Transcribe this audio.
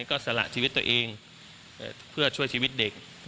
ก็สละชีวิตตัวเองเพื่อช่วยชีวิตเด็ก